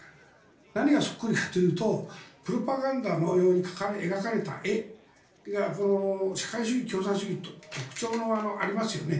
何がそっくりかというとプロパガンダのように描かれた絵が社会主義、共産主義と特徴がありますよね。